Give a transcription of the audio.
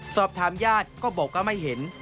สอบถามญาติก็บอกว่าไม่เห็น